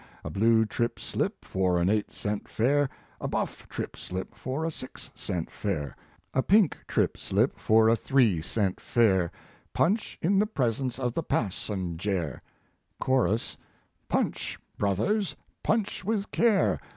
A blue trip slip for an eight cent fare, A buff trip slip for a six cent fare, A pink trip slip for a three cent fare; Punch in the presence of the passenjare ! His Life and Work. 121 CHORUS. Punch, brothers, punch with care!